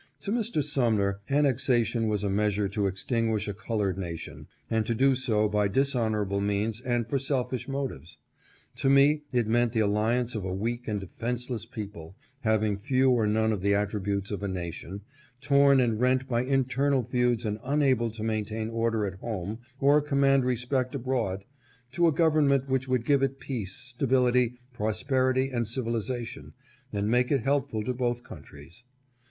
To Mr. Sumner, annexation was a measure to extinguish a colored nation, and to do so by dishonor able means and for selfish motives. To me it meant the alliance of a weak and defenceless people, having few or none of the attributes of a nation, torn and rent by inter nal feuds and unable to maintain order at home or com mand respect abroad, to a government which would give it peace, stability, prosperity, and civilization, and make it helpful to both countries.